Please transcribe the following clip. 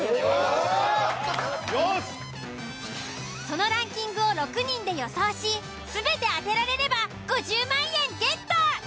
［そのランキングを６人で予想し全て当てられれば５０万円ゲット！］